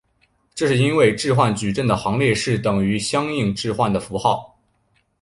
这是因为置换矩阵的行列式等于相应置换的符号。